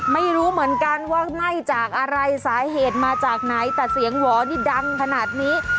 ไม่รู้เหมือนกันว่าไหม้จากอะไรสาเหตุมาจากไหนแต่เสียงหวอนี่ดังขนาดนี้